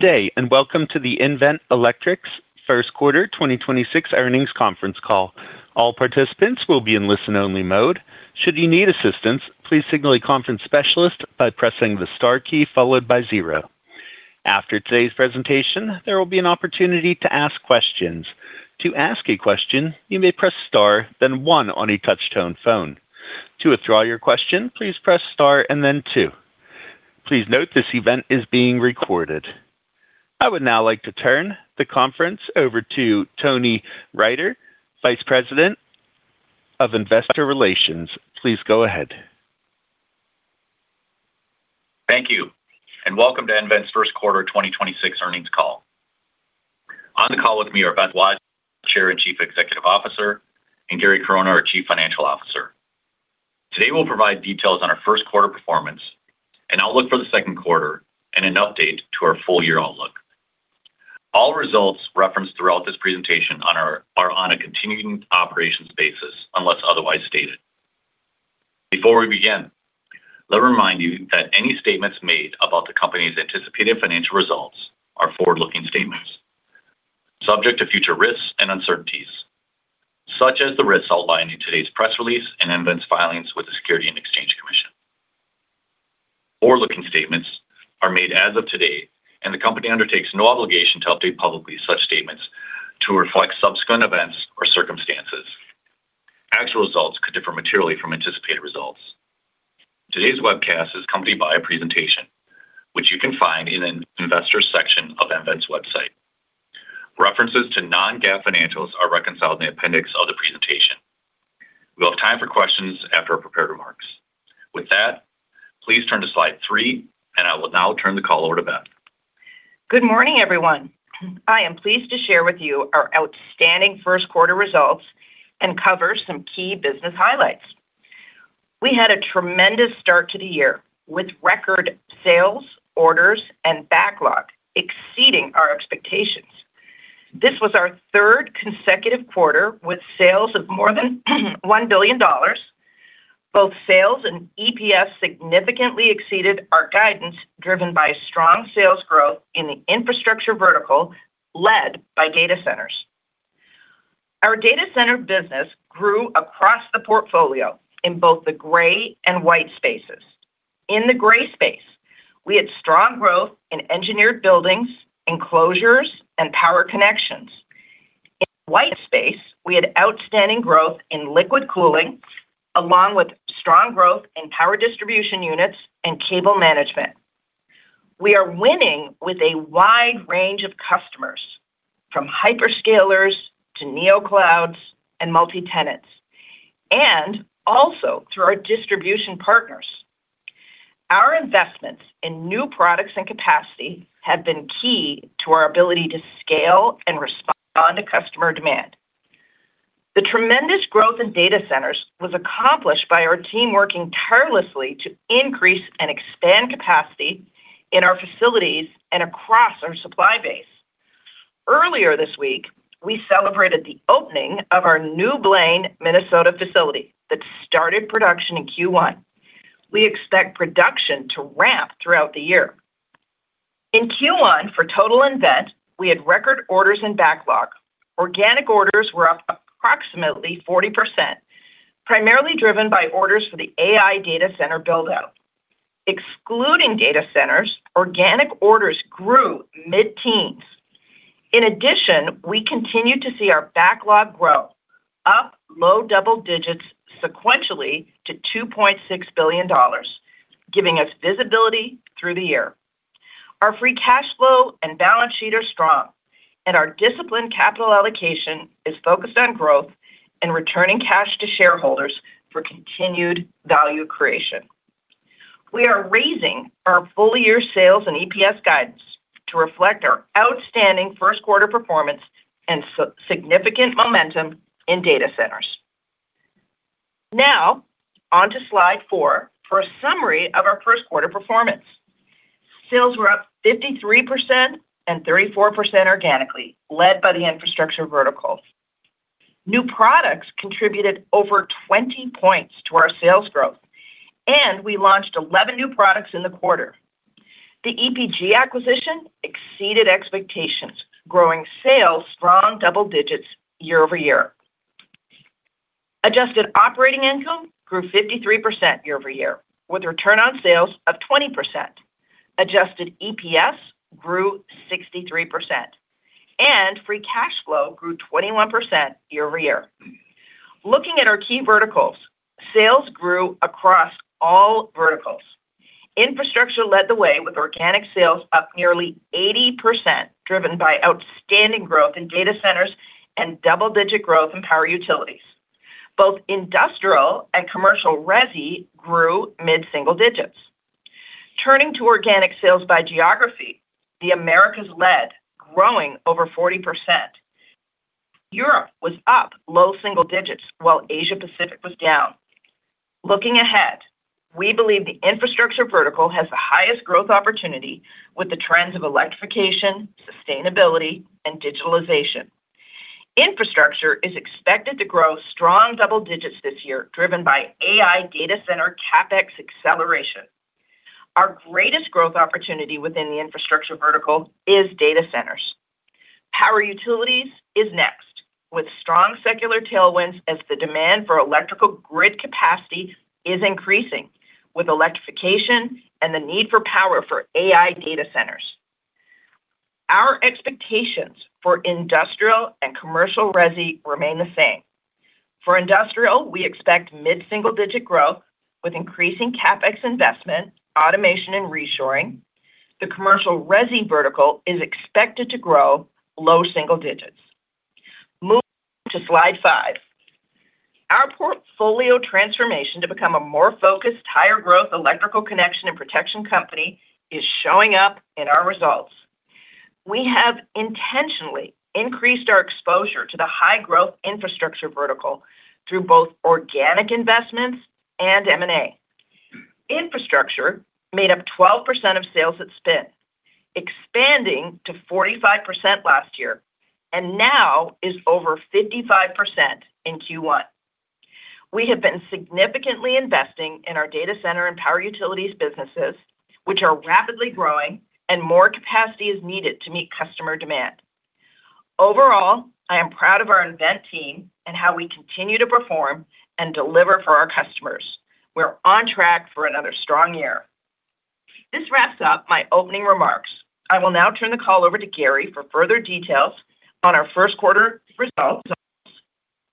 Good day, welcome to the nVent Electric's first quarter 2026 earnings conference call. All participants will be in listen-only mode. Should you need assistance, please signal a conference specialist by pressing the star key followed by zero. After today's presentation, there will be an opportunity to ask questions. To ask a question, you may press star then one on a touch-tone phone. To withdraw your question, please press star and then two. Please note this event is being recorded. I would now like to turn the conference over to Tony Riter, Vice President of Investor Relations. Please go ahead. Thank you, welcome to nVent's first quarter 2026 earnings call. On the call with me are Beth Wozniak, Chair and Chief Executive Officer, and Gary Corona, our Chief Financial Officer. Today, we'll provide details on our first quarter performance, an outlook for the second quarter, and an update to our full-year outlook. All results referenced throughout this presentation are on a continuing operations basis unless otherwise stated. Before we begin, let me remind you that any statements made about the company's anticipated financial results are forward-looking statements. Subject to future risks and uncertainties, such as the risks outlined in today's press release and nVent's filings with the Securities and Exchange Commission. Forward-looking statements are made as of today, the company undertakes no obligation to update publicly such statements to reflect subsequent events or circumstances. Actual results could differ materially from anticipated results. Today's webcast is accompanied by a presentation, which you can find in an investor section of nVent's website. References to non-GAAP financials are reconciled in the appendix of the presentation. We'll have time for questions after our prepared remarks. With that, please turn to slide three, and I will now turn the call over to Beth. Good morning, everyone. I am pleased to share with you our outstanding first quarter results and cover some key business highlights. We had a tremendous start to the year with record sales, orders, and backlog exceeding our expectations. This was our third consecutive quarter with sales of more than $1 billion. Both sales and EPS significantly exceeded our guidance, driven by strong sales growth in the infrastructure vertical led by data centers. Our data center business grew across the portfolio in both the gray and white spaces. In the gray space, we had strong growth in engineered buildings, enclosures, and power connections. In white space, we had outstanding growth in Liquid Cooling, along with strong growth in Power Distribution Units and cable management. We are winning with a wide range of customers, from hyperscalers to neoclouds and multi-tenants, and also through our distribution partners. Our investments in new products and capacity have been key to our ability to scale and respond to customer demand. The tremendous growth in Data Centers was accomplished by our team working tirelessly to increase and expand capacity in our facilities and across our supply base. Earlier this week, we celebrated the opening of our new Blaine facility that started production in Q1. We expect production to ramp throughout the year. In Q1 for total nVent, we had record orders and backlog. Organic orders were up approximately 40%, primarily driven by orders for the AI Data Center build-out. Excluding Data Centers, organic orders grew mid-teens. In addition, we continued to see our backlog grow up low double digits sequentially to $2.6 billion, giving us visibility through the year. Our free cash flow and balance sheet are strong, and our disciplined capital allocation is focused on growth and returning cash to shareholders for continued value creation. We are raising our full-year sales and EPS guidance to reflect our outstanding first quarter performance and significant momentum in data centers. Now, on to slide four for a summary of our first quarter performance. Sales were up 53% and 34% organically, led by the infrastructure verticals. New products contributed over 20 points to our sales growth, and we launched 11 new products in the quarter. The EPG acquisition exceeded expectations, growing sales strong double digits year-over-year. Adjusted operating income grew 53% year-over-year, with return on sales of 20%. Adjusted EPS grew 63%, and free cash flow grew 21% year-over-year. Looking at our key verticals, sales grew across all verticals. Infrastructure led the way with organic sales up nearly 80%, driven by outstanding growth in Data Centers and double-digit growth in power utilities. Both industrial and commercial resi grew mid-single digits. Turning to organic sales by geography, the Americas led, growing over 40%. Europe was up low single digits, while Asia Pacific was down. Looking ahead, we believe the infrastructure vertical has the highest growth opportunity with the trends of electrification, sustainability, and digitalization. Infrastructure is expected to grow strong double digits this year, driven by AI Data Center CapEx acceleration. Our greatest growth opportunity within the infrastructure vertical is Data Centers. Power utilities is next, with strong secular tailwinds as the demand for electrical grid capacity is increasing with electrification and the need for power for AI Data Centers. Our expectations for industrial and commercial resi remain the same. For industrial, we expect mid-single-digit growth with increasing CapEx investment, automation, and reshoring. The commercial resi vertical is expected to grow low single digits. Moving to slide five. Our portfolio transformation to become a more focused, higher growth electrical connection and protection company is showing up in our results. We have intentionally increased our exposure to the high-growth infrastructure vertical through both organic investments and M&A. Infrastructure made up 12% of sales at spin, expanding to 45% last year, and now is over 55% in Q1. We have been significantly investing in our data center and power utilities businesses, which are rapidly growing and more capacity is needed to meet customer demand. Overall, I am proud of our nVent team and how we continue to perform and deliver for our customers. We're on track for another strong year. This wraps up my opening remarks. I will now turn the call over to Gary for further details on our first quarter results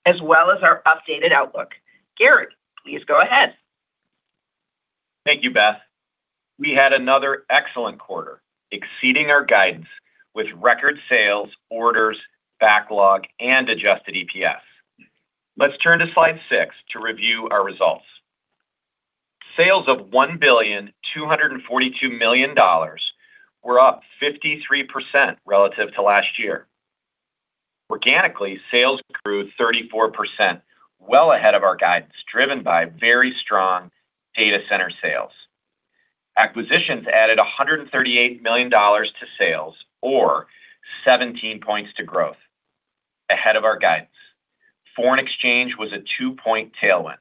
as well as our updated outlook. Gary, please go ahead. Thank you, Beth. We had another excellent quarter, exceeding our guidance with record sales, orders, backlog, and adjusted EPS. Let's turn to slide six to review our results. Sales of $1,242 million were up 53% relative to last year. Organically, sales grew 34%, well ahead of our guidance, driven by very strong data center sales. Acquisitions added $138 million to sales or 17 points to growth, ahead of our guidance. Foreign exchange was a two-point tailwind.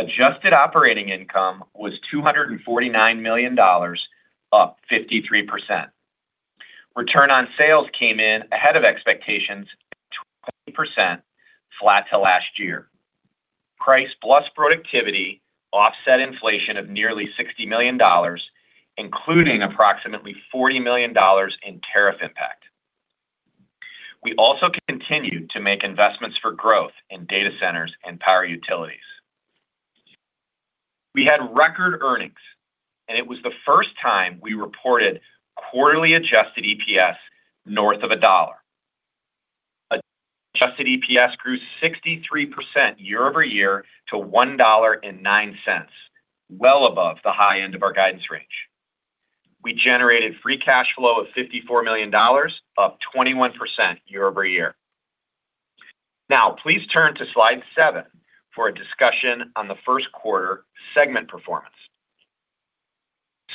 Adjusted operating income was $249 million, up 53%. return on sales came in ahead of expectations at 20% flat to last year. Price plus productivity offset inflation of nearly $60 million, including approximately $40 million in tariff impact. We also continued to make investments for growth in data centers and power utilities. We had record earnings, and it was the first time we reported quarterly adjusted EPS north of $1. Adjusted EPS grew 63% year-over-year to $1.09, well above the high end of our guidance range. We generated free cash flow of $54 million, up 21% year-over-year. Now, please turn to slide seven for a discussion on the first quarter segment performance.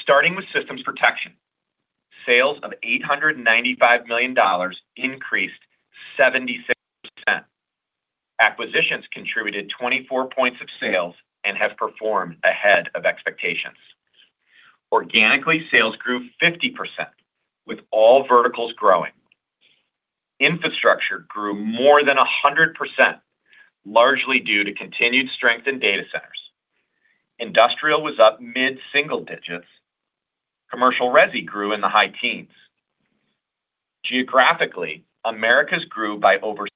Starting with Systems Protection, sales of $895 million increased 76%. Acquisitions contributed 24 points of sales and have performed ahead of expectations. Organically, sales grew 50%, with all verticals growing. Infrastructure grew more than 100%, largely due to continued strength in data centers. Industrial was up mid-single digits. Commercial resi grew in the high teens. Geographically, Americas grew by over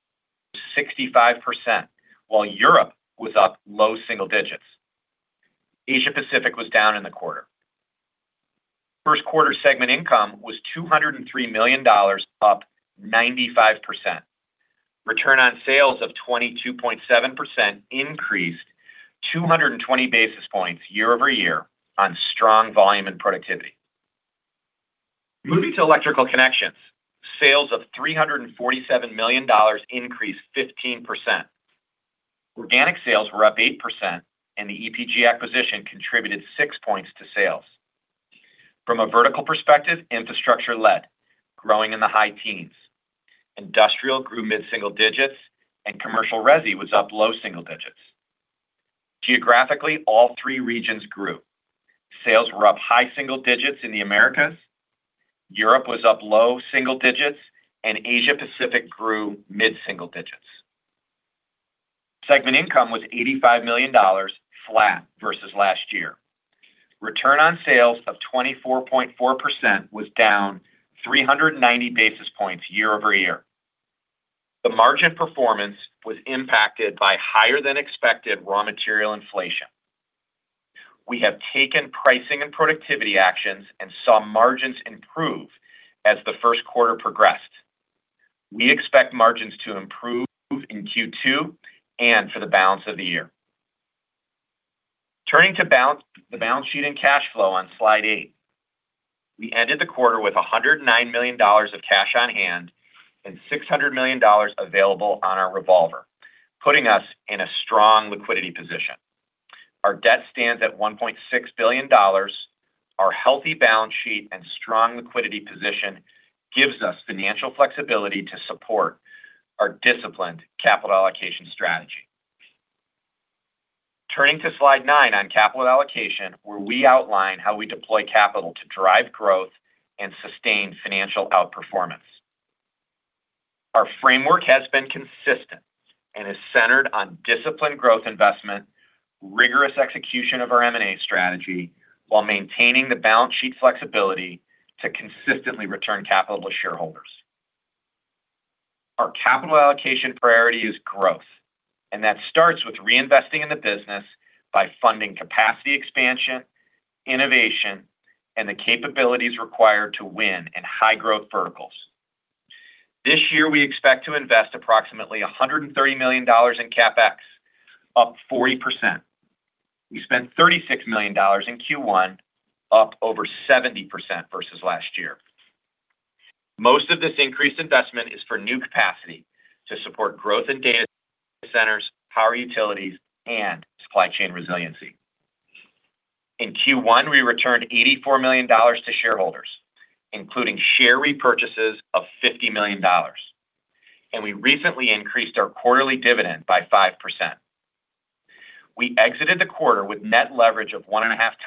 65%, while Europe was up low single digits. Asia Pacific was down in the quarter. First quarter segment income was $203 million, up 95%. Return on sales of 22.7% increased 220 basis points year-over-year on strong volume and productivity. Moving to Electrical Connections, sales of $347 million increased 15%. Organic sales were up 8%. The EPG acquisition contributed six points to sales. From a vertical perspective, infrastructure led, growing in the high teens. Industrial grew mid-single digits. Commercial resi was up low single digits. Geographically, all three regions grew. Sales were up high single digits in the Americas. Europe was up low single digits. Asia Pacific grew mid-single digits. Segment income was $85 million flat versus last year. Return on sales of 24.4% was down 390 basis points year-over-year. The margin performance was impacted by higher than expected raw material inflation. We have taken pricing and productivity actions and saw margins improve as the first quarter progressed. We expect margins to improve in Q2 and for the balance of the year. Turning to the balance sheet and cash flow on slide eight. We ended the quarter with $109 million of cash on hand and $600 million available on our revolver, putting us in a strong liquidity position. Our debt stands at $1.6 billion. Our healthy balance sheet and strong liquidity position gives us financial flexibility to support our disciplined capital allocation strategy. Turning to slide nine on capital allocation, where we outline how we deploy capital to drive growth and sustain financial outperformance. Our framework has been consistent and is centered on disciplined growth investment, rigorous execution of our M&A strategy while maintaining the balance sheet flexibility to consistently return capital to shareholders. Our capital allocation priority is growth. That starts with reinvesting in the business by funding capacity expansion, innovation, and the capabilities required to win in high growth verticals. This year, we expect to invest approximately $130 million in CapEx, up 40%. We spent $36 million in Q1, up over 70% versus last year. Most of this increased investment is for new capacity to support growth in data centers, power utilities, and supply chain resiliency. In Q1, we returned $84 million to shareholders, including share repurchases of $50 million, and we recently increased our quarterly dividend by 5%. We exited the quarter with net leverage of 1.5x,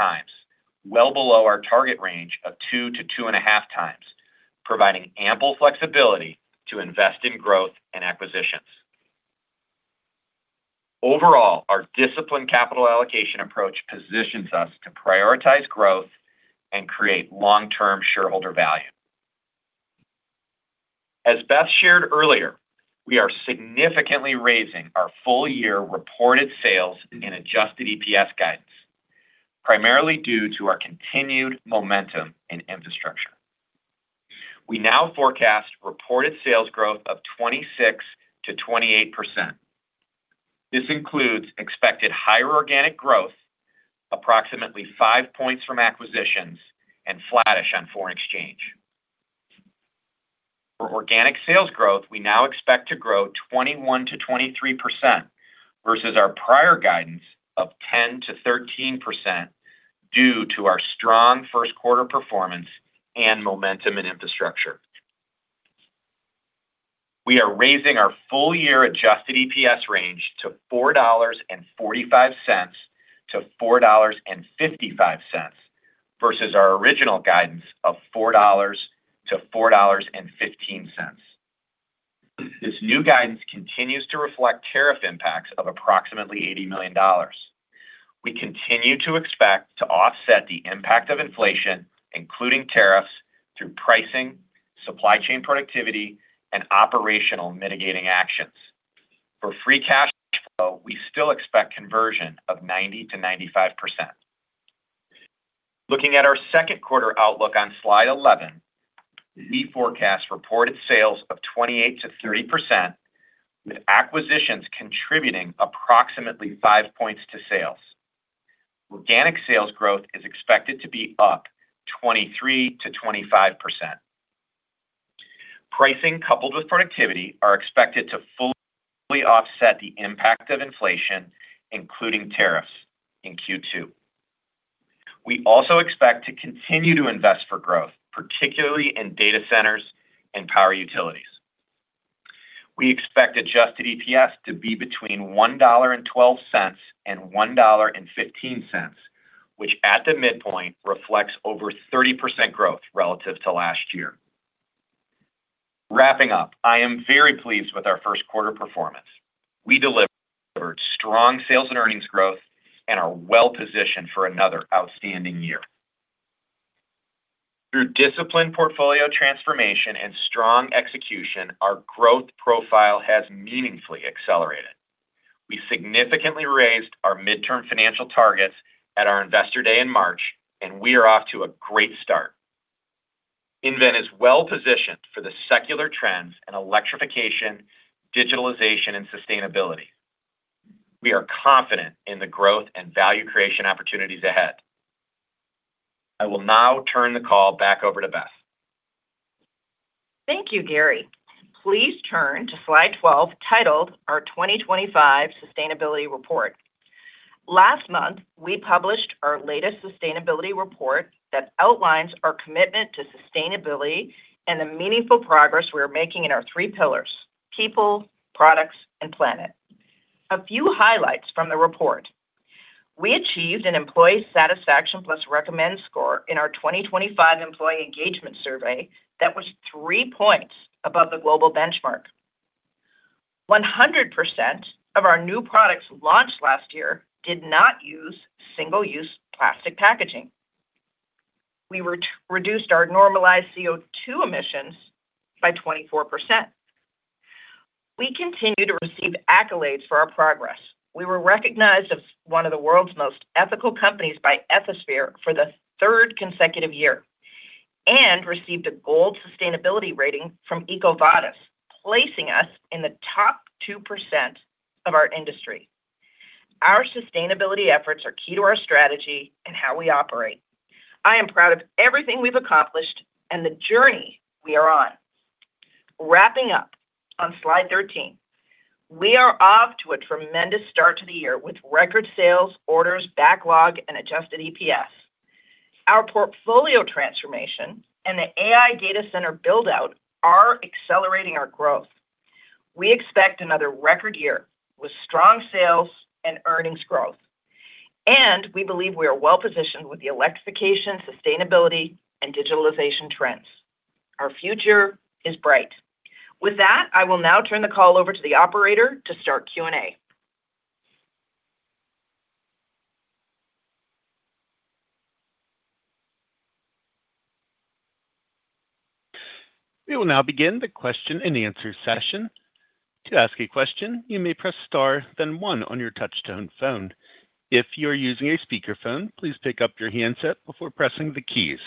well below our target range of 2x-2.5x, providing ample flexibility to invest in growth and acquisitions. Overall, our disciplined capital allocation approach positions us to prioritize growth and create long-term shareholder value. As Beth shared earlier, we are significantly raising our full year reported sales and adjusted EPS guidance, primarily due to our continued momentum in infrastructure. We now forecast reported sales growth of 26%-28%. This includes expected higher organic growth, approximately five points from acquisitions, And flattish on foreign exchange. For organic sales growth, we now expect to grow 21%-23% versus our prior guidance of 10%-13% due to our strong first quarter performance and momentum in infrastructure. We are raising our full year adjusted EPS range to $4.45-$4.55 versus our original guidance of $4.00-$4.15. This new guidance continues to reflect tariff impacts of approximately $80 million. We continue to expect to offset the impact of inflation, including tariffs through pricing, supply chain productivity, and operational mitigating actions. For free cash flow, we still expect conversion of 90%-95%. Looking at our second quarter outlook on slide 11, we forecast reported sales of 28%-30% with acquisitions contributing approximately five points to sales. Organic sales growth is expected to be up 23%-25%. Pricing coupled with productivity are expected to fully offset the impact of inflation, including tariffs in Q2. We also expect to continue to invest for growth, particularly in data centers and power utilities. We expect adjusted EPS to be between $1.12 and $1.15, which at the midpoint reflects over 30% growth relative to last year. Wrapping up, I am very pleased with our first quarter performance. We delivered strong sales and earnings growth and are well-positioned for another outstanding year. Through disciplined portfolio transformation and strong execution, our growth profile has meaningfully accelerated. We significantly raised our midterm financial targets at our Investor Day in March, and we are off to a great start. nVent is well-positioned for the secular trends in electrification, digitalization, and sustainability. We are confident in the growth and value creation opportunities ahead. I will now turn the call back over to Beth. Thank you, Gary. Please turn to slide 12, titled Our 2025 Sustainability Report. Last month, we published our latest sustainability report that outlines our commitment to sustainability and the meaningful progress we are making in our three pillars: people, products, and planet. A few highlights from the report. We achieved an employee satisfaction plus recommend score in our 2025 employee engagement survey that was three points above the global benchmark. 100% of our new products launched last year did not use single-use plastic packaging. We re-reduced our normalized CO2 emissions by 24%. We continue to receive accolades for our progress. We were recognized as one of the world's most ethical companies by Ethisphere for the third consecutive year and received a gold sustainability rating from EcoVadis, placing us in the top 2% of our industry. Our sustainability efforts are key to our strategy and how we operate. I am proud of everything we've accomplished and the journey we are on. Wrapping up on slide 13, we are off to a tremendous start to the year with record sales, orders, backlog, and adjusted EPS. Our portfolio transformation and the AI Data Center build-out are accelerating our growth. We expect another record year with strong sales and earnings growth. We believe we are well-positioned with the electrification, sustainability, and digitalization trends. Our future is bright. With that, I will now turn the call over to the operator to start Q&A. We will now begin the question-and-answer session. To ask a question, you may press star then one on your touchtone phone. If you are using a speakerphone, please pick up your handset before pressing the keys.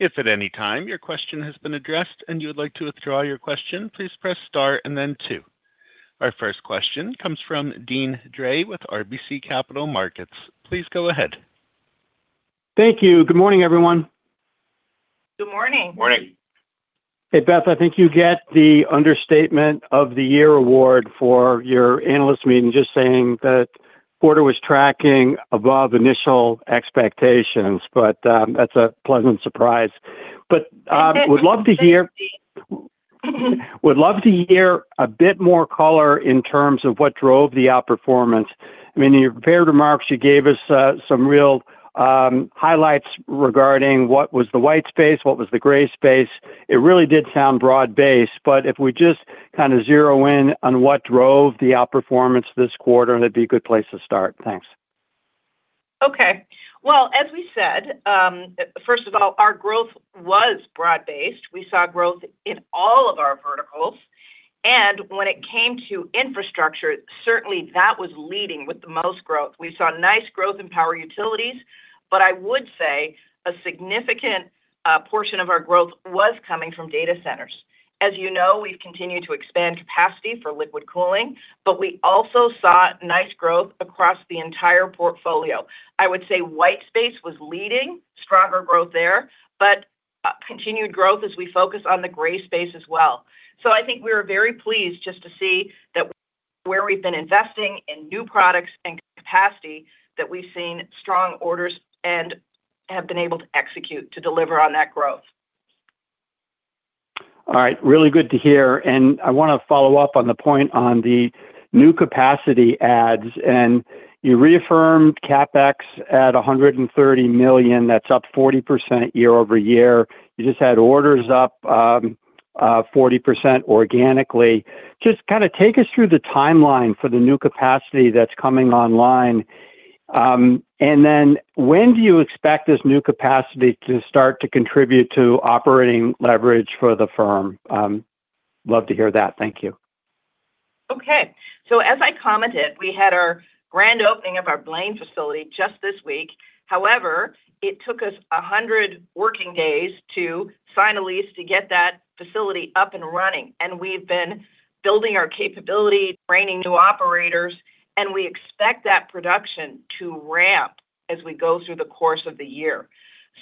If at any time your question has been addressed and you would like to withdraw your question, please press star and then two. Our first question comes from Deane Dray with RBC Capital Markets. Please go ahead. Thank you. Good morning, everyone. Good morning. Morning. Hey, Beth, I think you get the understatement of the year award for your analyst meeting, just saying that quarter was tracking above initial expectations. That's a pleasant surprise. Would love to hear a bit more color in terms of what drove the outperformance. I mean, in your prepared remarks, you gave us some real highlights regarding what was the white space, what was the gray space. It really did sound broad-based, if we just kinda zero in on what drove the outperformance this quarter, that'd be a good place to start. Thanks. As we said, first of all, our growth was broad-based. We saw growth in all of our verticals. When it came to infrastructure, certainly that was leading with the most growth. We saw nice growth in power utilities, but I would say a significant portion of our growth was coming from data centers. As you know, we've continued to expand capacity for liquid cooling, but we also saw nice growth across the entire portfolio. I would say white space was leading stronger growth there, but continued growth as we focus on the gray space as well. I think we were very pleased just to see that where we've been investing in new products and capacity, that we've seen strong orders and have been able to execute to deliver on that growth. All right. Really good to hear. I wanna follow up on the point on the new capacity adds, and you reaffirmed CapEx at $130 million. That's up 40% year-over-year. You just had orders up, 40% organically. Just kinda take us through the timeline for the new capacity that's coming online. Then when do you expect this new capacity to start to contribute to operating leverage for the firm? Love to hear that. Thank you. Okay. As I commented, we had our grand opening of our Blaine facility just this week. However, it took us 100 working days to sign a lease to get that facility up and running, and we've been building our capability, training new operators, and we expect that production to ramp as we go through the course of the year.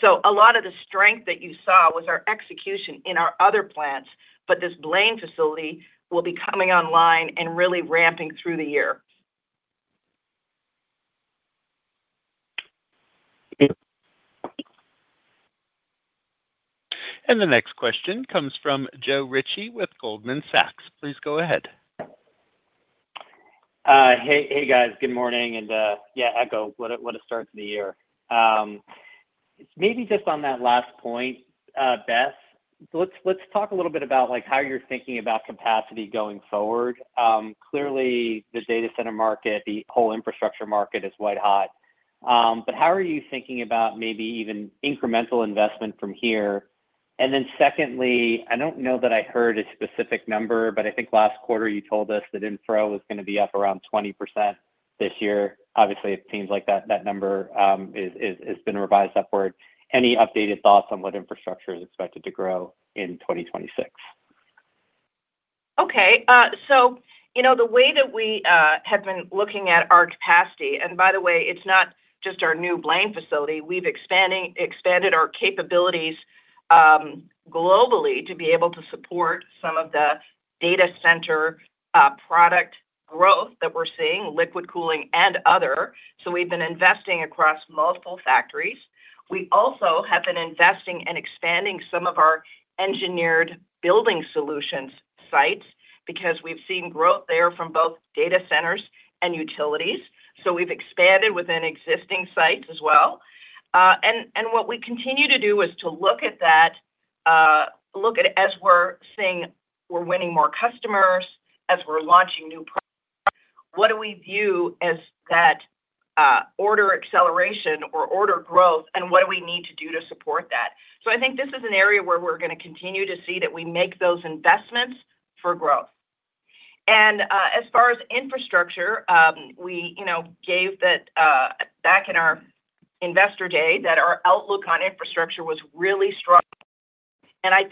A lot of the strength that you saw was our execution in our other plants, but this Blaine facility will be coming online and really ramping through the year. The next question comes from Joe Ritchie with Goldman Sachs. Please go ahead. Hey, guys. Good morning, yeah, echo, what a, what a start to the year. Maybe just on that last point, Beth Wozniak. Let's, let's talk a little bit about, like, how you're thinking about capacity going forward. Clearly the data center market, the whole infrastructure market is white hot. How are you thinking about maybe even incremental investment from here? Secondly, I don't know that I heard a specific number, but I think last quarter you told us that infra was going to be up around 20% this year. Obviously, it seems like that number is, it's been revised upward. Any updated thoughts on what infrastructure is expected to grow in 2026? The way that we have been looking at our capacity, and by the way, it's not just our new Blaine facility, we've expanded our capabilities globally to be able to support some of the data center product growth that we're seeing, liquid cooling and other. We've been investing across multiple factories. We also have been investing in expanding some of our engineered building solutions sites because we've seen growth there from both data centers and utilities. We've expanded within existing sites as well. What we continue to do is to look at that as we're seeing we're winning more customers, as we're launching new products, what do we view as that order acceleration or order growth, and what do we need to do to support that? I think this is an area where we're gonna continue to see that we make those investments for growth. As far as infrastructure, we, you know, gave that back in our Investor Day that our outlook on infrastructure was really strong, and I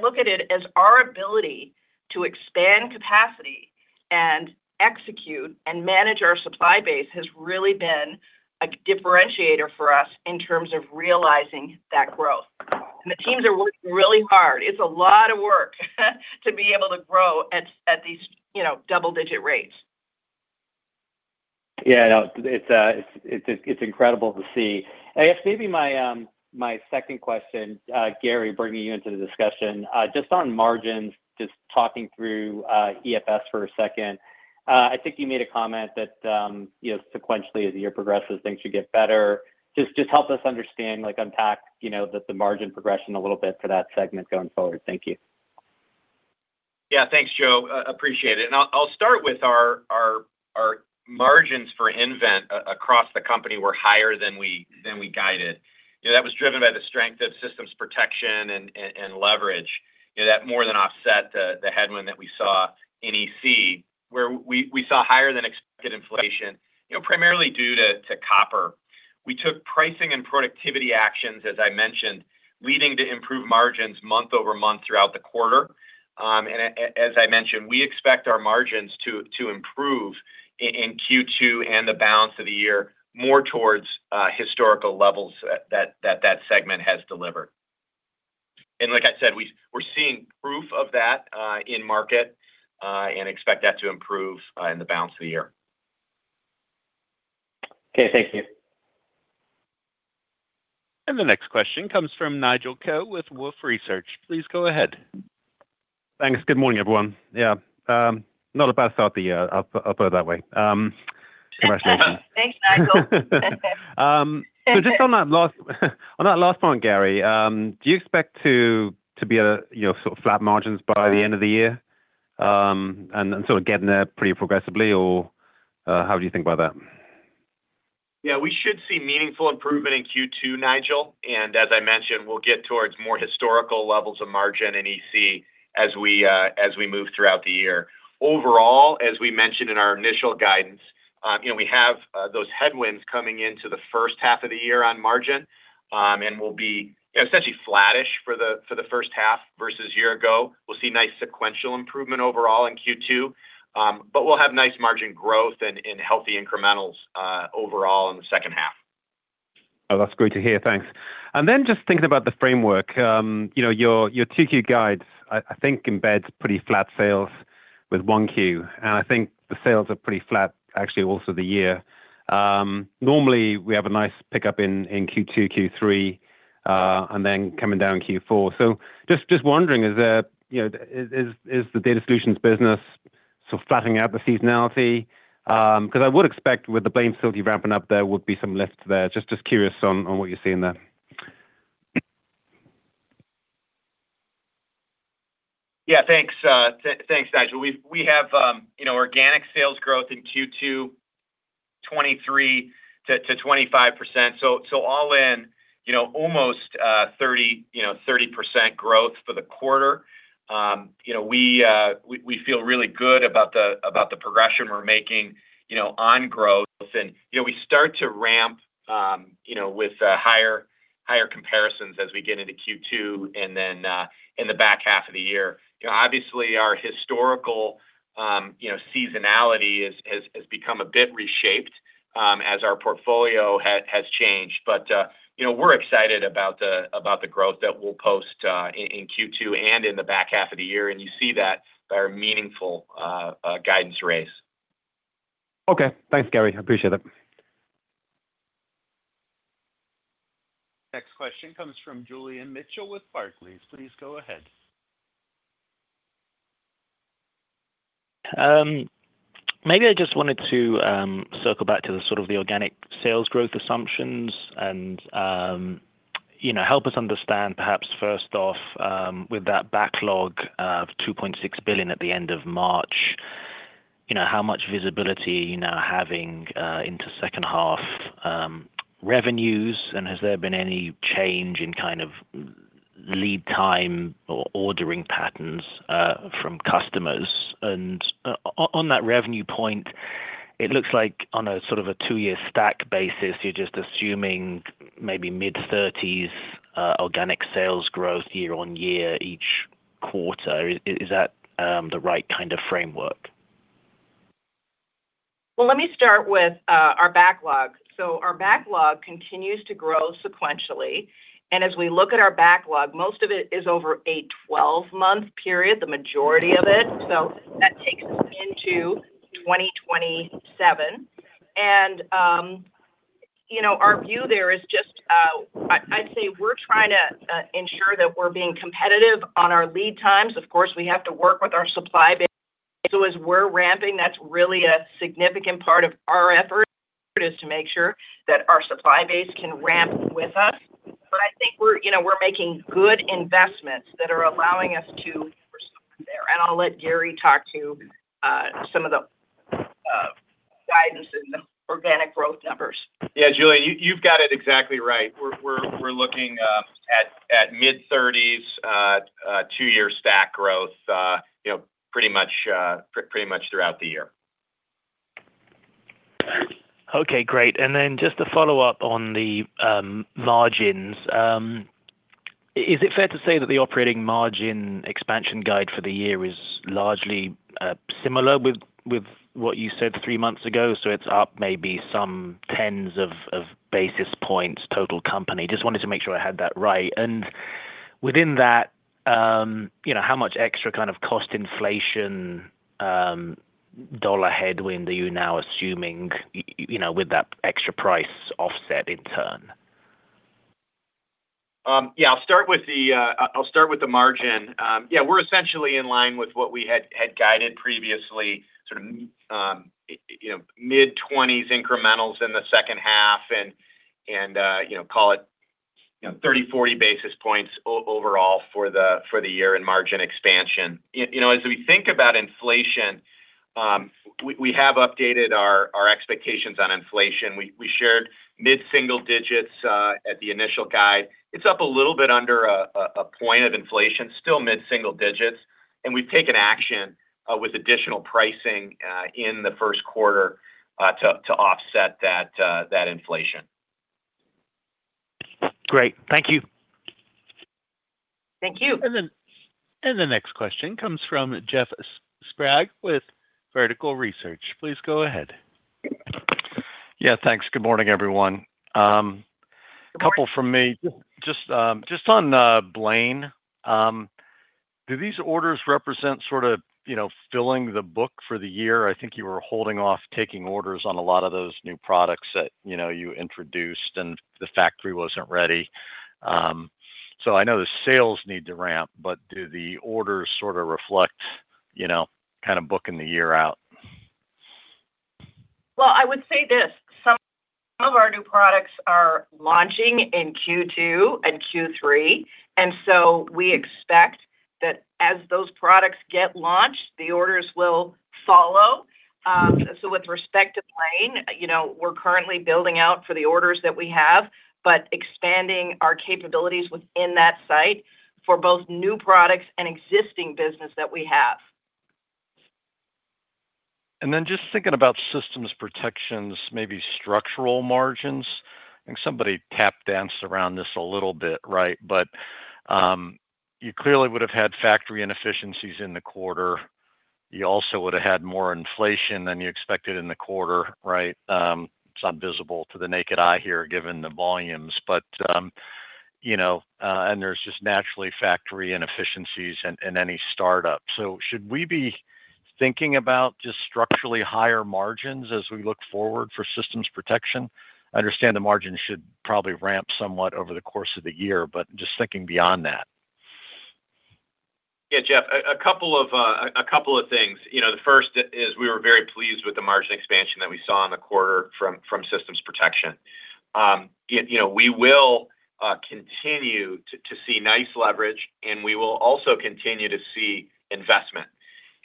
look at it as our ability to expand capacity. Execute and manage our supply base has really been a differentiator for us in terms of realizing that growth. The teams are working really hard. It's a lot of work to be able to grow at these, you know, double-digit rates. No, it's incredible to see. I guess maybe my second question, Gary, bringing you into the discussion, just on margins, just talking through EFS for a second. I think you made a comment that, you know, sequentially as the year progresses, things should get better. Just help us understand, like unpack, you know, the margin progression a little bit for that segment going forward. Thank you. Yeah. Thanks, Joe. Appreciate it. I'll start with our margins for nVent across the company were higher than we guided. You know, that was driven by the strength of Systems Protection and leverage. You know, that more than offset the headwind that we saw in EC, where we saw higher than expected inflation, you know, primarily due to copper. We took pricing and productivity actions, as I mentioned, leading to improved margins month-over-month throughout the quarter. As I mentioned, we expect our margins to improve in Q2 and the balance of the year more towards historical levels that segment has delivered. Like I said, we're seeing proof of that in market and expect that to improve in the balance of the year. Okay. Thank you. The next question comes from Nigel Coe with Wolfe Research. Please go ahead. Thanks. Good morning, everyone. Not a bad start the year. I'll put it that way. Congratulations. Thanks, Nigel. Just on that last point, Gary, do you expect to be at a, you know, sort of flat margins by the end of the year, and sort of getting there pretty progressively, or, how do you think about that? Yeah, we should see meaningful improvement in Q2, Nigel Coe. As I mentioned, we'll get towards more historical levels of margin in Electrical Connections as we move throughout the year. Overall, as we mentioned in our initial guidance, you know, we have those headwinds coming into the H1 of the year on margin, and we'll be essentially flattish for the H1 versus year ago. We'll see nice sequential improvement overall in Q2. We'll have nice margin growth and healthy incrementals overall in the H2. Oh, that's great to hear. Thanks. Just thinking about the framework, you know, your 2Q guide, I think embeds pretty flat sales with 1Q, and I think the sales are pretty flat actually also the year. Normally we have a nice pickup in Q2, Q3, coming down Q4. Just wondering, is the, you know, is the Data Center Solutions business sort of flattening out the seasonality? 'cause I would expect with the Blaine facility ramping up, there would be some lifts there. Just curious on what you see in that. Thanks, Nigel. We have, you know, organic sales growth in Q2, 23%-25%. All in, you know, almost 30% growth for the quarter. You know, we feel really good about the progression we're making, you know, on growth. You know, we start to ramp, you know, with higher comparisons as we get into Q2 and then in the back half of the year. You know, obviously our historical, you know, seasonality has become a bit reshaped as our portfolio has changed. You know, we're excited about the growth that we'll post in Q2 and in the back half of the year, and you see that by our meaningful guidance raise. Okay. Thanks, Gary. I appreciate it. Next question comes from Julian Mitchell with Barclays. Please go ahead. Maybe I just wanted to circle back to the sort of the organic sales growth assumptions and, you know, help us understand perhaps first off, with that backlog of $2.6 billion at the end of March, you know, how much visibility are you now having into H2 revenues, and has there been any change in kind of lead time or ordering patterns from customers? On that revenue point, it looks like on a sort of a two-year stack basis, you're just assuming maybe mid-30s organic sales growth year-on-year, each quarter. Is that the right kind of framework? Well, let me start with our backlog. Our backlog continues to grow sequentially, and as we look at our backlog, most of it is over a 12-month period, the majority of it. That takes us into 2027. You know, our view there is just, I'd say we're trying to ensure that we're being competitive on our lead times. Of course, we have to work with our supply base. As we're ramping, that's really a significant part of our effort is to make sure that our supply base can ramp with us. I think we're, you know, we're making good investments that are allowing us to- I'll let Gary talk to some of the guidance in the organic growth numbers. Yeah, Julian, you've got it exactly right. We're looking at mid-thirties two-year stack growth, you know, pretty much throughout the year. Okay, great. Just to follow up on the margins. Is it fair to say that the operating margin expansion guide for the year is largely similar with what you said three months ago? It's up maybe some 10s of basis points total company. Just wanted to make sure I had that right. Within that, you know, how much extra kind of cost inflation dollar headwind are you now assuming, you know, with that extra price offset in turn? I'll start with the margin. We're essentially in line with what we had guided previously, sort of, you know, mid-20s incrementals in the H2 and, you know, call it, you know, 30, 40 basis points overall for the year in margin expansion. You know, as we think about inflation, we have updated our expectations on inflation. We shared mid-single digits at the initial guide. It's up a little bit under one point of inflation, still mid-single digits. We've taken action with additional pricing in the first quarter to offset that inflation. Great. Thank you. Thank you. The next question comes from Jeff Sprague with Vertical Research Partners. Please go ahead. Yeah, thanks. Good morning, everyone. Good morning.... a couple from me. Just, just on, Blaine. Do these orders represent sort of, you know, filling the book for the year? I think you were holding off taking orders on a lot of those new products that, you know, you introduced, and the factory wasn't ready. I know the sales need to ramp, but do the orders sort of reflect, you know, kind of booking the year out? Well, I would say this. Some of our new products are launching in Q2 and Q3, and so we expect that as those products get launched, the orders will follow. With respect to Blaine, you know, we're currently building out for the orders that we have, but expanding our capabilities within that site for both new products and existing business that we have. Just thinking about Systems Protection, maybe structural margins. I think somebody tap danced around this a little bit, right? You clearly would have had factory inefficiencies in the quarter. You also would have had more inflation than you expected in the quarter, right? It's not visible to the naked eye here, given the volumes, you know, there's just naturally factory inefficiencies in any start-up. Should we be thinking about just structurally higher margins as we look forward for Systems Protection? I understand the margins should probably ramp somewhat over the course of the year, but just thinking beyond that. Yeah, Jeff, a couple of things. You know, the first is we were very pleased with the margin expansion that we saw in the quarter from Systems Protection. You know, we will continue to see nice leverage, and we will also continue to see investment.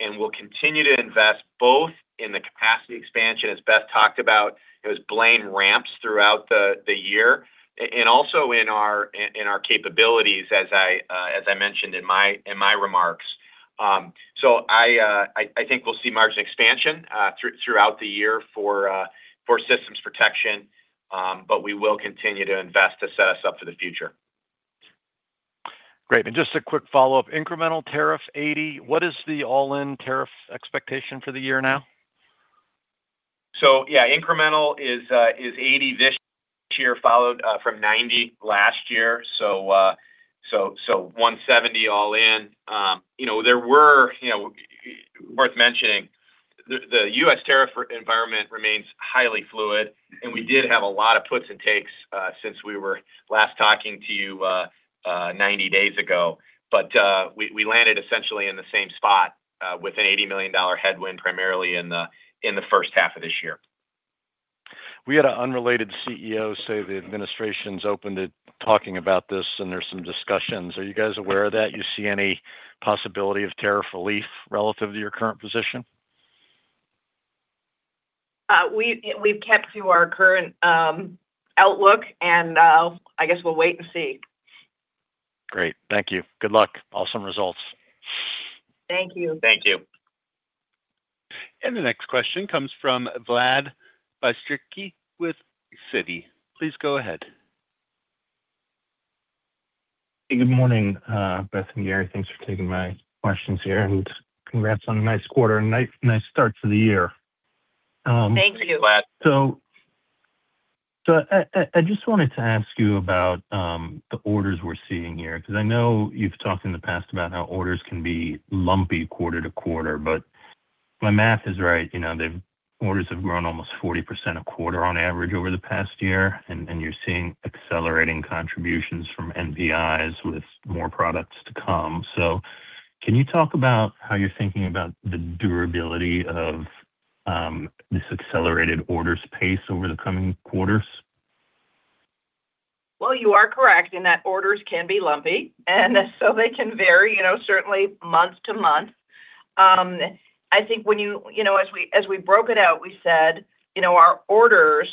We'll continue to invest both in the capacity expansion, as Beth talked about, as Blaine ramps throughout the year, and also in our capabilities, as I mentioned in my remarks. I think we'll see margin expansion throughout the year for Systems Protection. We will continue to invest to set us up for the future. Great. Just a quick follow-up. Incremental tariff 80. What is the all-in tariff expectation for the year now? Yeah, incremental is $80 this year, followed from $90 last year. $170 all in. You know, there were, you know, worth mentioning, the U.S. tariff environment remains highly fluid, and we did have a lot of puts and takes since we were last talking to you 90 days ago. We landed essentially in the same spot with an $80 million headwind, primarily in the H1 of this year. We had an unrelated CEO say the administration's open to talking about this and there's some discussions. Are you guys aware of that? You see any possibility of tariff relief relative to your current position? We've kept to our current outlook, and I guess we'll wait and see. Great. Thank you. Good luck. Awesome results. Thank you. Thank you. The next question comes from Vladimir Bystricky with Citi. Please go ahead. Good morning, Beth and Gary. Thanks for taking my questions here. Congrats on a nice quarter. A nice start to the year. Thank you. Thanks, Vlad. I just wanted to ask you about the orders we're seeing here, because I know you've talked in the past about how orders can be lumpy quarter-to-quarter. If my math is right, you know, the orders have grown almost 40% a quarter on average over the past year, and you're seeing accelerating contributions from NPIs with more products to come. Can you talk about how you're thinking about the durability of this accelerated orders pace over the coming quarters? Well, you are correct in that orders can be lumpy, and so they can vary, you know, certainly month to month. You know, as we, as we broke it out, we said, you know, our orders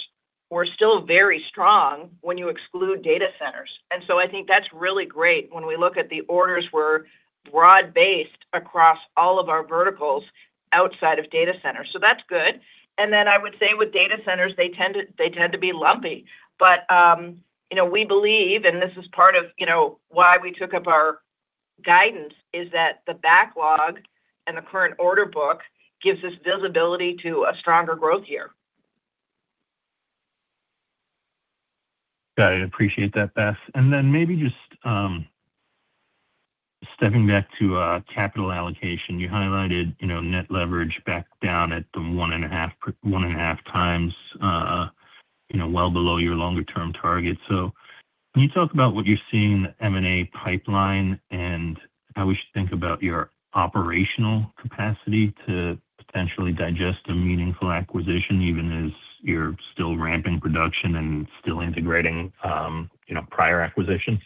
were still very strong when you exclude data centers. I think that's really great when we look at the orders were broad-based across all of our verticals outside of data centers. That's good. I would say with data centers, they tend to be lumpy. You know, we believe, and this is part of, you know, why we took up our guidance, is that the backlog and the current order book gives us visibility to a stronger growth year. Got it. Appreciate that, Beth. Maybe just stepping back to capital allocation. You highlighted, you know, net leverage back down at the 1.5x, you know, well below your longer term target. Can you talk about what you're seeing in the M&A pipeline, and how we should think about your operational capacity to potentially digest a meaningful acquisition, even as you're still ramping production and still integrating, you know, prior acquisitions?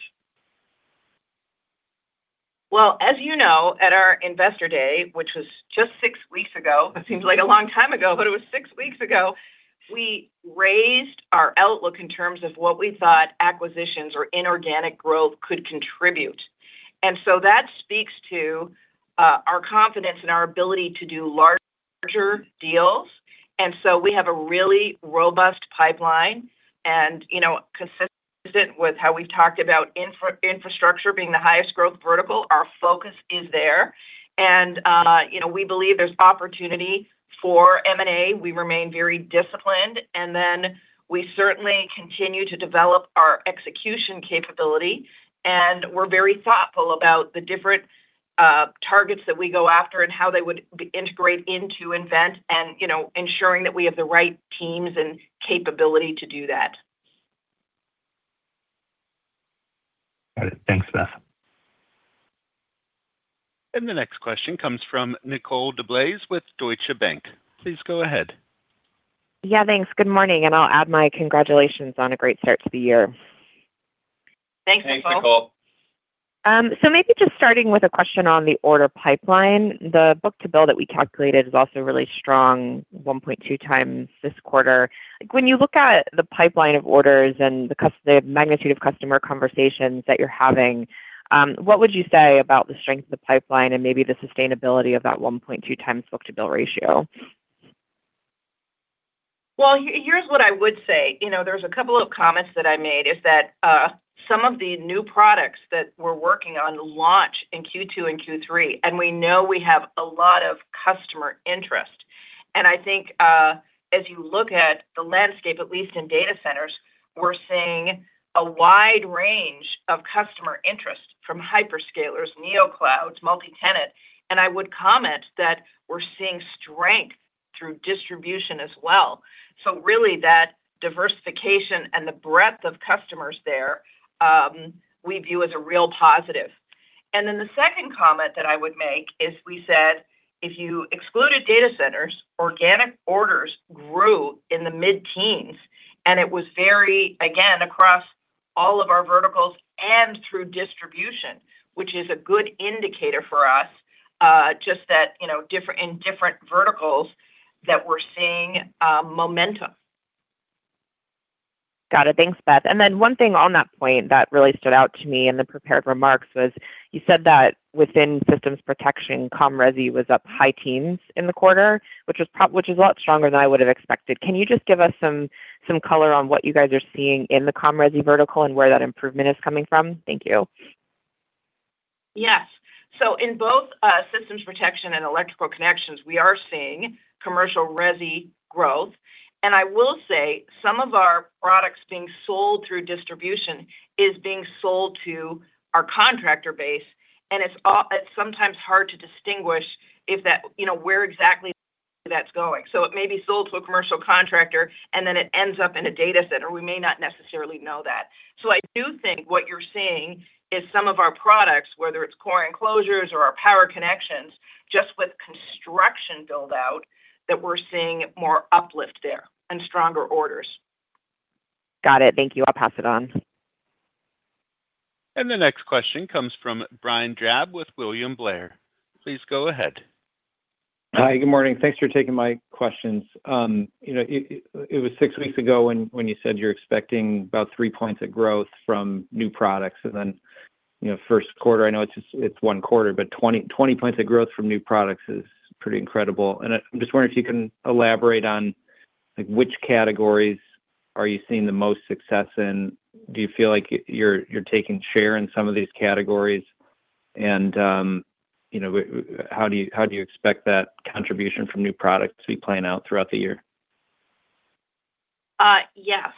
Well, as you know, at our Investor Day, which was just six weeks ago, it seems like a long time ago, but it was six weeks ago. We raised our outlook in terms of what we thought acquisitions or inorganic growth could contribute, that speaks to our confidence in our ability to do larger deals. We have a really robust pipeline and, you know, consistent with how we've talked about infrastructure being the highest growth vertical, our focus is there. You know, we believe there's opportunity for M&A. We remain very disciplined, we certainly continue to develop our execution capability. We're very thoughtful about the different targets that we go after and how they would integrate into nVent. You know, ensuring that we have the right teams and capability to do that. Got it. Thanks, Beth. The next question comes from Nicole DeBlase with Deutsche Bank. Please go ahead. Yeah, thanks. Good morning, and I'll add my congratulations on a great start to the year. Thanks, Nicole. Maybe just starting with a question on the order pipeline. The book-to-bill that we calculated is also really strong, 1.2x this quarter. When you look at the pipeline of orders and the magnitude of customer conversations that you're having, what would you say about the strength of the pipeline and maybe the sustainability of that 1.2x book-to-bill ratio? Well, here's what I would say. You know, there's a couple of comments that I made is that some of the new products that we're working on launch in Q2 and Q3, and we know we have a lot of customer interest. I think, as you look at the landscape, at least in data centers, we're seeing a wide range of customer interest from hyperscalers, neoclouds, multi-tenants. I would comment that we're seeing strength through distribution as well. Really, that diversification and the breadth of customers there, we view as a real positive. Then the second comment that I would make is we said, if you excluded data centers, organic orders grew in the mid-teens, and it was very, again, across all of our verticals and through distribution, which is a good indicator for us, just that, you know, in different verticals that we're seeing momentum. Got it. Thanks, Beth. One thing on that point that really stood out to me in the prepared remarks was you said that within Systems Protection, comm resi was up high teens in the quarter, which is a lot stronger than I would have expected. Can you just give us some color on what you guys are seeing in the comm resi vertical and where that improvement is coming from? Thank you. In both Systems Protection and Electrical Connections, we are seeing commercial resi growth. I will say some of our products being sold through distribution is being sold to our contractor base. It's sometimes hard to distinguish, you know, where exactly that's going. It may be sold to a commercial contractor, and then it ends up in a data center. We may not necessarily know that. I do think what you're seeing is some of our products, whether it's core enclosures or our power connections, just with construction build-out, that we're seeing more uplift there and stronger orders. Got it. Thank you. I'll pass it on. The next question comes from Brian Drab with William Blair. Please go ahead. Hi, good morning. Thanks for taking my questions. You know, it was six weeks ago when you said you're expecting about three points of growth from new products. You know, first quarter, I know it's just, it's one quarter, but 20 points of growth from new products is pretty incredible. I'm just wondering if you can elaborate on, like, which categories are you seeing the most success in? Do you feel like you're taking share in some of these categories? You know, how do you, how do you expect that contribution from new products to be playing out throughout the year? Yes.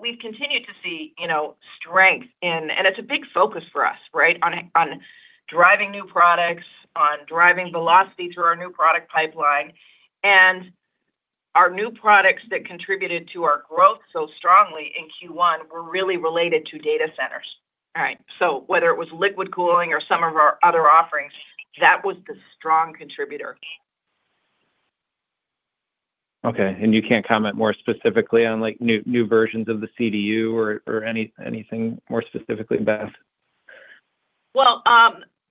We've continued to see, you know, strength in, and it's a big focus for us, right? On driving new products, on driving velocity through our new product pipeline. Our new products that contributed to our growth so strongly in Q1 were really related to data centers. Whether it was Liquid Cooling or some of our other offerings, that was the strong contributor. Okay, you can't comment more specifically on, like, new versions of the CDU or anything more specifically, Beth?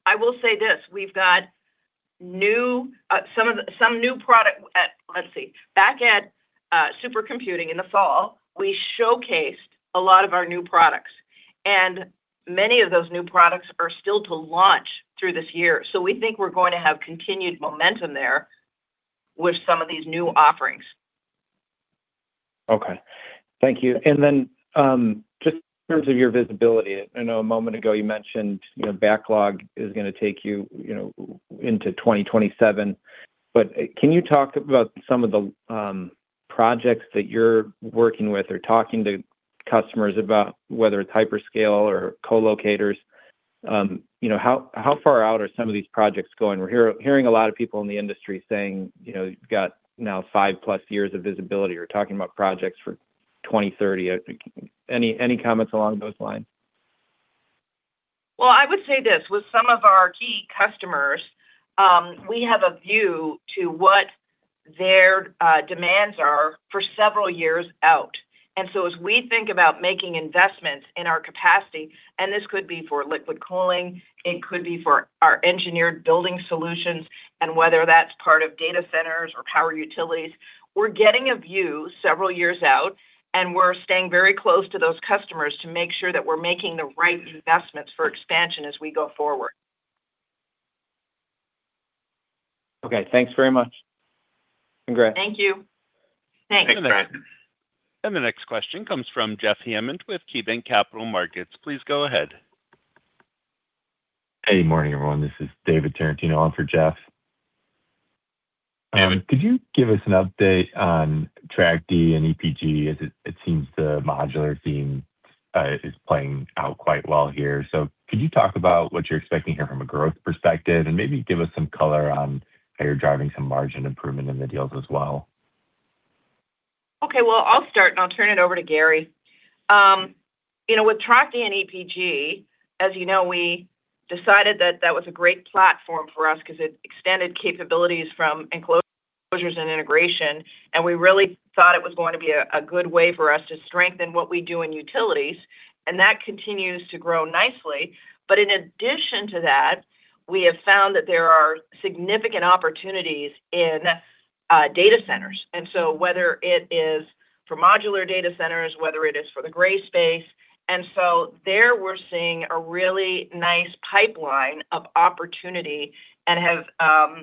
I will say this. We've got new product. Back at Supercomputing in the fall, we showcased a lot of our new products, and many of those new products are still to launch through this year. We think we're going to have continued momentum there with some of these new offerings. Okay. Thank you. Then, just in terms of your visibility, I know a moment ago you mentioned, you know, backlog is gonna take you know, into 2027, can you talk about some of the projects that you're working with or talking to customers about, whether it's hyperscale or co-locators? You know, how far out are some of these projects going? We're hearing a lot of people in the industry saying, you know, you've got now 5-plus years of visibility or talking about projects for 2030. Any comments along those lines? I would say this. With some of our key customers, we have a view to what their demands are for several years out. As we think about making investments in our capacity, this could be for Liquid Cooling, it could be for our engineered building solutions, and whether that's part of data centers or power utilities, we're getting a view several years out, and we're staying very close to those customers to make sure that we're making the right investments for expansion as we go forward. Okay, thanks very much. Congrats. Thank you. Thanks. The next question comes from Jeff Hammond with KeyBanc Capital Markets. Please go ahead. Hey, morning, everyone. This is David Tarantino on for Jeff. Could you give us an update on Trachte and EPG, as it seems the modular theme is playing out quite well here. Could you talk about what you're expecting here from a growth perspective, and maybe give us some color on how you're driving some margin improvement in the deals as well? Well, I'll start, and I'll turn it over to Gary. You know, with Trachte and EPG, as you know, we decided that that was a great platform for us 'cause it extended capabilities from enclosures and integration, and we really thought it was going to be a good way for us to strengthen what we do in utilities, and that continues to grow nicely. In addition to that, we have found that there are significant opportunities in data centers, whether it is for modular data centers, whether it is for the gray space. There, we're seeing a really nice pipeline of opportunity and have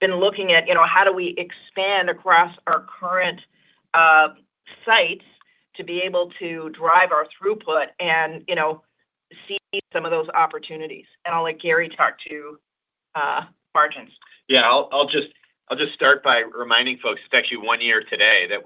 been looking at, you know, how do we expand across our current sites to be able to drive our throughput and, you know, seize some of those opportunities. I'll let Gary talk to margins. Yeah. I'll just start by reminding folks it's actually one year today that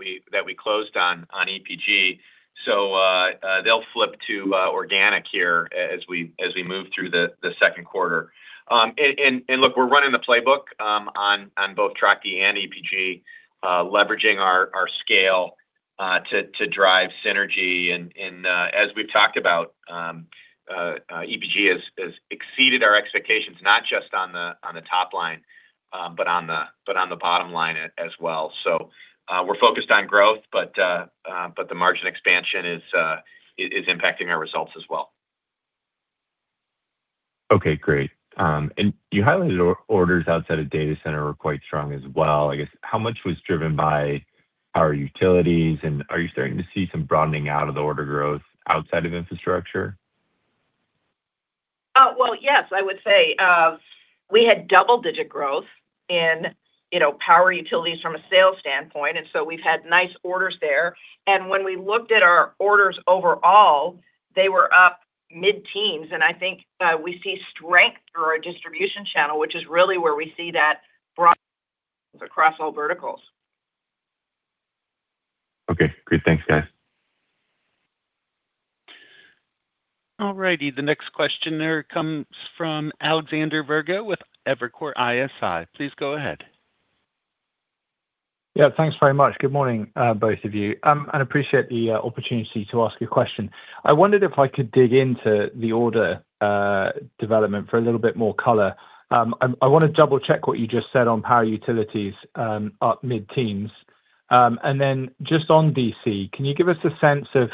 we closed on EPG. They'll flip to organic here as we move through the second quarter. Look, we're running the playbook on both Trachte and EPG, leveraging our scale to drive synergy. As we've talked about, EPG has exceeded our expectations, not just on the top line, but on the bottom line as well. We're focused on growth, but the margin expansion is impacting our results as well. Okay, great. You highlighted orders outside of data center were quite strong as well. I guess, how much was driven by power utilities, and are you starting to see some broadening out of the order growth outside of infrastructure? Well, yes. I would say, we had double-digit growth in, you know, power utilities from a sales standpoint. So we've had nice orders there. When we looked at our orders overall, they were up mid-teens. I think we see strength through our distribution channel, which is really where we see that broad across all verticals. Okay, great. Thanks, guys. All righty. The next questioner comes from Alexander Virgo with Evercore ISI. Please go ahead. Yeah, thanks very much. Good morning, both of you. Appreciate the opportunity to ask a question. I wondered if I could dig into the order development for a little bit more color. I wanna double-check what you just said on power utilities, up mid-teens. Then just on DC, can you give us a sense of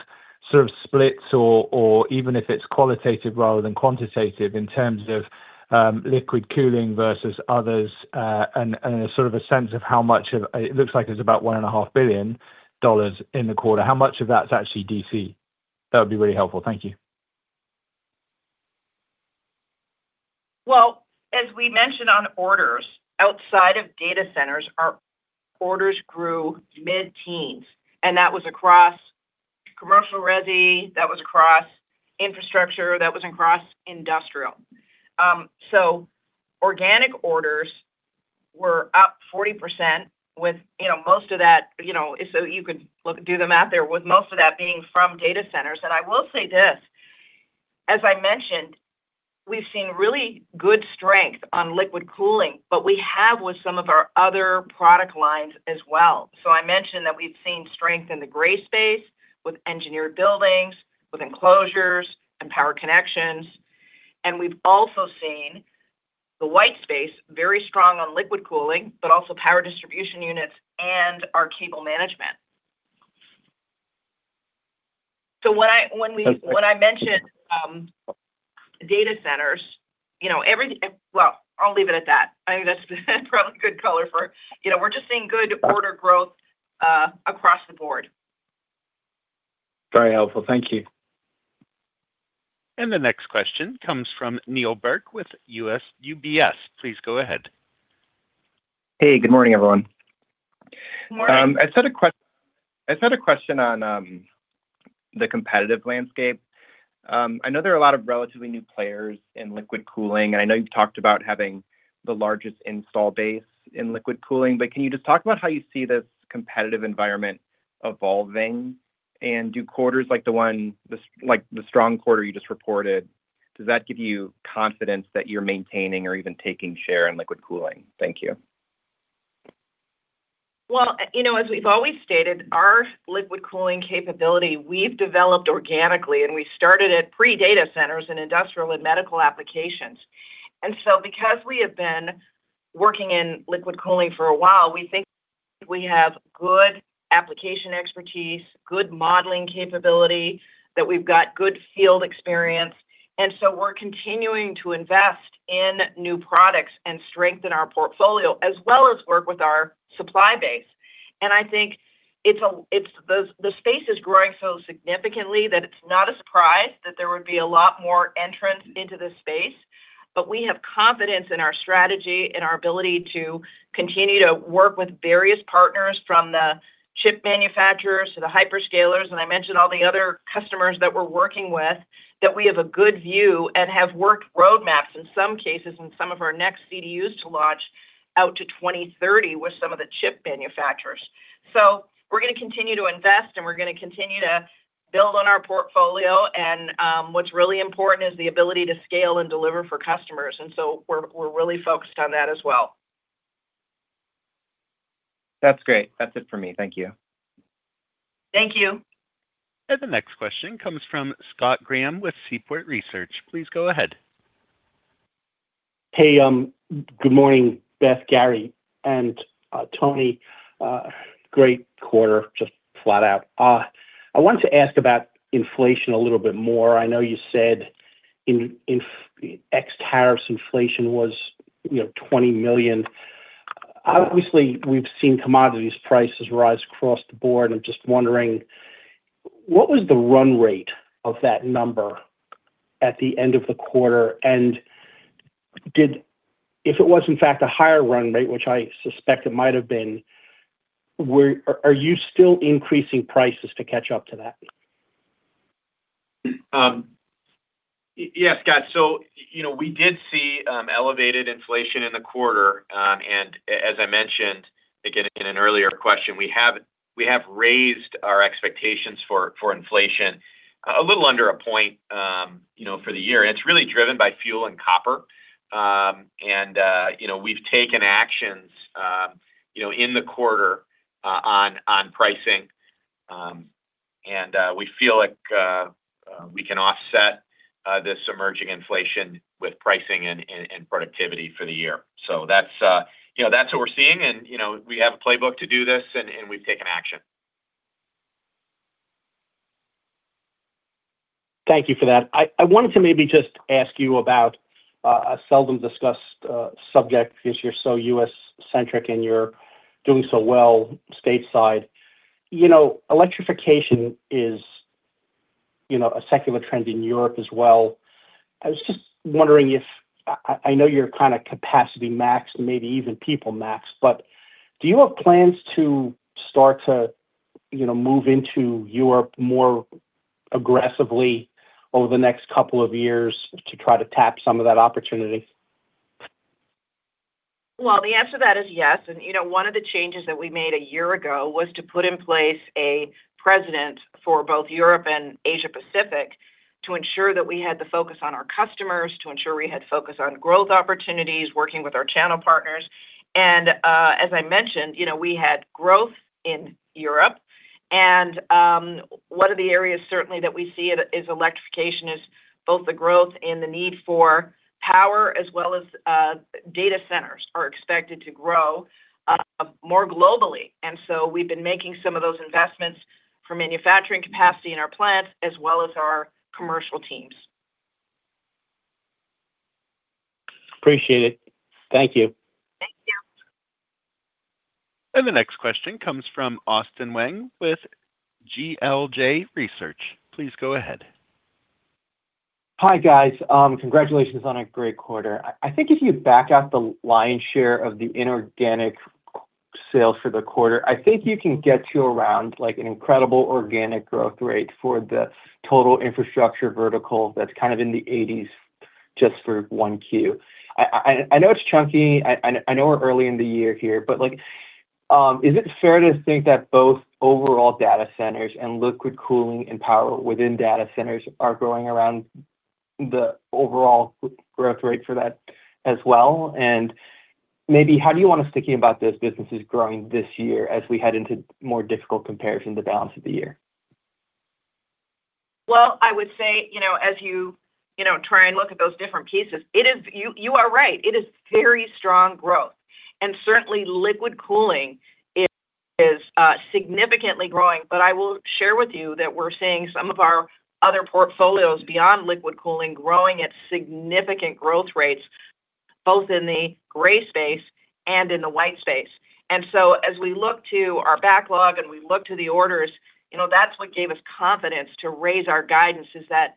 sort of splits or even if it's qualitative rather than quantitative in terms of liquid cooling versus others, and a sort of a sense of how much of. It looks like there's about $1.5 billion in the quarter. How much of that's actually DC? That would be really helpful. Thank you. Well, as we mentioned on orders, outside of data centers, our orders grew mid-teens, and that was across commercial resi, that was across infrastructure, that was across industrial. Organic orders were up 40% with, you know, most of that, you know, so you could look, do the math there, with most of that being from data centers. I will say this: As I mentioned, we've seen really good strength on Liquid Cooling, but we have with some of our other product lines as well. I mentioned that we've seen strength in the gray space with engineered buildings, with enclosures and power connections, and we've also seen the white space very strong on Liquid Cooling, but also Power Distribution Units and our cable management. When I mentioned, data centers, you know, Well, I'll leave it at that. I think that's probably good color. You know, we're just seeing good order growth across the board. Very helpful. Thank you. The next question comes from Neal Burke with UBS. Please go ahead. Hey. Good morning, everyone. Morning. I just had a question on the competitive landscape. I know there are a lot of relatively new players in Liquid Cooling, and I know you've talked about having the largest install base in Liquid Cooling. Can you just talk about how you see this competitive environment evolving? Do quarters like the one, like the strong quarter you just reported, does that give you confidence that you're maintaining or even taking share in Liquid Cooling? Thank you. Well, you know, as we've always stated, our liquid cooling capability, we've developed organically. We started at pre-data centers in industrial and medical applications. Because we have been working in liquid cooling for a while, we think we have good application expertise, good modeling capability, that we've got good field experience. We're continuing to invest in new products and strengthen our portfolio as well as work with our supply base. I think the space is growing so significantly that it's not a surprise that there would be a lot more entrants into this space. We have confidence in our strategy and our ability to continue to work with various partners from the chip manufacturers to the hyperscalers, I mentioned all the other customers that we're working with, that we have a good view and have work roadmaps in some cases in some of our next CDUs to launch out to 2030 with some of the chip manufacturers. We're gonna continue to invest, we're gonna continue to build on our portfolio. What's really important is the ability to scale and deliver for customers, and so we're really focused on that as well. That's great. That's it for me. Thank you. Thank you. The next question comes from Scott Graham with Seaport Research. Please go ahead. Hey. Good morning, Beth, Gary, and Tony. Great quarter, just flat out. I wanted to ask about inflation a little bit more. I know you said in ex tariffs inflation was, you know, $20 million. Obviously, we've seen commodities prices rise across the board. I'm just wondering, what was the run rate of that number at the end of the quarter? If it was, in fact, a higher run rate, which I suspect it might have been, are you still increasing prices to catch up to that? Yes, Scott. You know, we did see elevated inflation in the quarter. As I mentioned, again, in an earlier question, we have, we have raised our expectations for inflation, a little under a point, you know, for the year, it's really driven by fuel and copper. You know, we've taken actions, you know, in the quarter, on pricing. We feel like we can offset this emerging inflation with pricing and productivity for the year. That's, you know, that's what we're seeing and, you know, we have a playbook to do this, and we've taken action. Thank you for that. I wanted to maybe just ask you about a seldom discussed subject because you're so U.S.-centric, and you're doing so well stateside. You know, electrification is, you know, a secular trend in Europe as well. I know you're kind of capacity maxed and maybe even people maxed, but do you have plans to start to, you know, move into Europe more aggressively over the next couple of years to try to tap some of that opportunity? Well, the answer to that is yes. You know, one of the changes that we made a year ago was to put in place a president for both Europe and Asia-Pacific to ensure that we had the focus on our customers, to ensure we had focus on growth opportunities, working with our channel partners. As I mentioned, you know, we had growth in Europe. One of the areas certainly that we see it is electrification is both the growth and the need for power as well as data centers are expected to grow more globally. We've been making some of those investments for manufacturing capacity in our plants as well as our commercial teams. Appreciate it. Thank you. Thank you. The next question comes from Austin Wang with GLJ Research. Please go ahead. Hi, guys. Congratulations on a great quarter. I think if you back out the lion's share of the inorganic sales for the quarter, I think you can get to around an incredible organic growth rate for the total infrastructure vertical that's kind of in the 80s just for 1Q. I know it's chunky. I know we're early in the year here but is it fair to think that both overall data centers and Liquid Cooling and power within data centers are growing around the overall growth rate for that as well? Maybe how do you want us thinking about those businesses growing this year as we head into more difficult comparison the balance of the year? Well, I would say, you know, as you know, try and look at those different pieces, you are right. It is very strong growth. Certainly, Liquid Cooling is significantly growing. I will share with you that we're seeing some of our other portfolios beyond Liquid Cooling growing at significant growth rates, both in the gray space and in the white space. As we look to our backlog and we look to the orders, you know, that's what gave us confidence to raise our guidance is that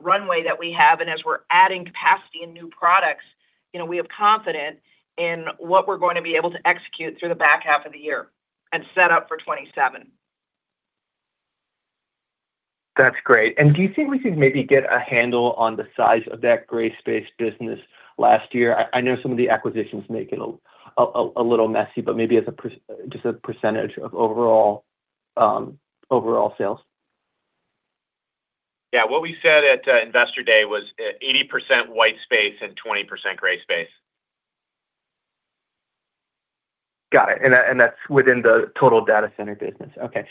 runway that we have. As we're adding capacity and new products, you know, we have confidence in what we're going to be able to execute through the back half of the year and set up for 2027. That's great. Do you think we could maybe get a handle on the size of that gray space business last year? I know some of the acquisitions make it a little messy, but maybe as just a percentage of overall overall sales. Yeah. What we said at Investor Day was 80% white space and 20% gray space. Got it. That's within the total data center business. Okay.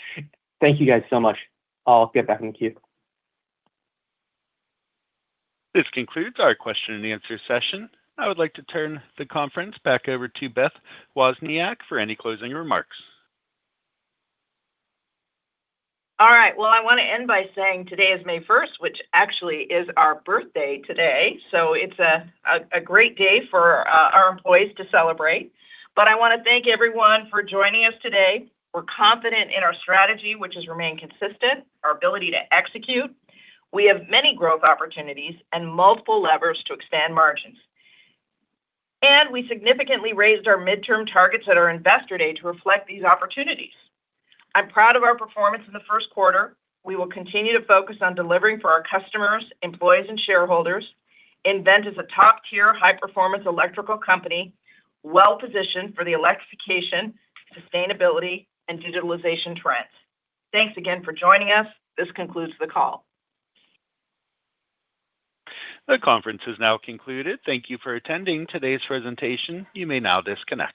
Thank you guys so much. I'll get back in queue. This concludes our question and answer session. I would like to turn the conference back over to Beth Wozniak for any closing remarks. All right. Well, I wanna end by saying today is May 1st, which actually is our birthday today, so it's a great day for our employees to celebrate. I wanna thank everyone for joining us today. We're confident in our strategy, which has remained consistent, our ability to execute. We have many growth opportunities and multiple levers to expand margins. We significantly raised our midterm targets at our Investor Day to reflect these opportunities. I'm proud of our performance in the first quarter. We will continue to focus on delivering for our customers, employees, and shareholders. nVent is a top-tier, high-performance electrical company, well-positioned for the electrification, sustainability, and digitalization trends. Thanks again for joining us. This concludes the call. The conference is now concluded. Thank you for attending today's presentation. You may now disconnect.